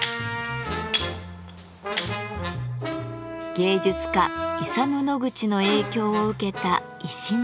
芸術家イサム・ノグチの影響を受けた石の家も。